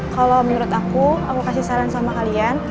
kalau menurut aku aku kasih saran sama kalian